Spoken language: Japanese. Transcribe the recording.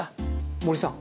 森さん